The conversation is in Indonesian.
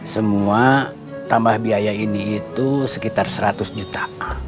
semua tambah biaya ini itu sekitar seratus juta